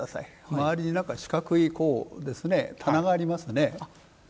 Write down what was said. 周りになんか四角い棚がありますね。